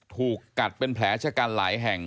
ถูกกัดเป็นแผลชะกันหลายแห่ง